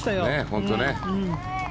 本当にね。